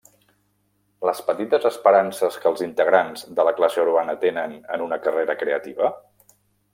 Les petites esperances que els integrants de la classe urbana tenen en una carrera creativa?